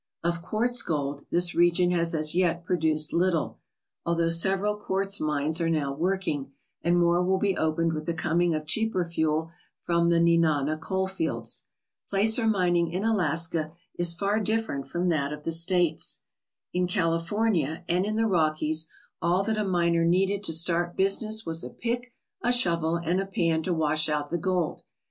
Of quartz gold, this region has as yet produced little, although several quartz mines are now working, and more will be opened with the coming of cheaper fuel from the Nenana coalfields. Placer mining in Alaska is far different from that of the 157 ALASKA OUR NORTHERN WONDERLAND States. In California and in the Rockies all that a miner needed to start business was a pick, a shovel, and a pan to wash out the gold.